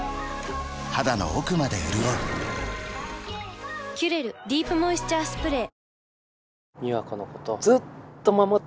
肌の奥まで潤う「キュレルディープモイスチャースプレー」